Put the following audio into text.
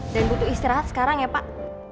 dan butuh istirahat sekarang ya pak